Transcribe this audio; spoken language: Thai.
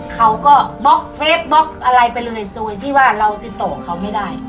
เขาก็บล็อกเฟสบล็อกอะไรไปเลยโดยที่ว่าเราติดต่อเขาไม่ได้